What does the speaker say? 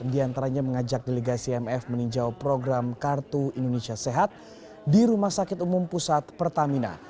diantaranya mengajak delegasi imf meninjau program kartu indonesia sehat di rumah sakit umum pusat pertamina